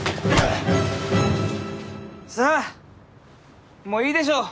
さあもういいでしょう